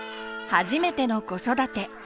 初めての子育て。